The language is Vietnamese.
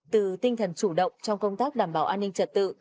từ tinh thần chủ động trong công tác đảm bảo an ninh trật tự